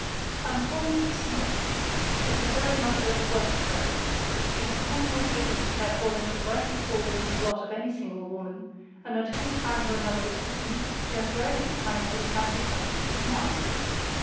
And poor Miss Snaith is a very much overworked person. She has ten more children to care for than should rightly fall into the lot of any single woman, and until we find her another assistant, she has very little time for the fancy touches you demand.